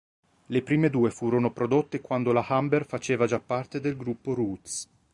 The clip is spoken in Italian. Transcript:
Le prime due furono prodotte quando la Humber faceva già parte del gruppo Rootes.